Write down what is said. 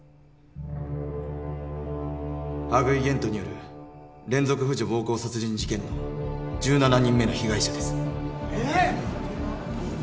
羽喰玄斗による連続婦女暴行殺人事件の１７人目の被害者です。